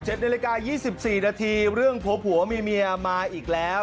เจ็ดในรายการ๒๔นาทีเรื่องพัวผัวมีเมียมาอีกแล้ว